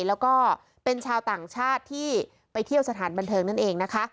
แล้วก็เป็นชาวต่างชาติที่ไปเที่ยวสถานบันเทิงนั่นเองนะคะ